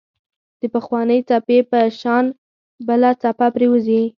د پخوانۍ خپې په شان بله خپه پرېوځي.